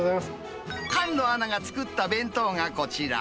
菅野アナが作った弁当がこちら。